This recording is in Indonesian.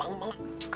kamu lagi serius